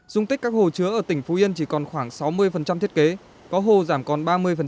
dung tích các hồ chứa ở tỉnh phú yên chỉ còn khoảng sáu mươi thiết kế có hồ giảm còn ba mươi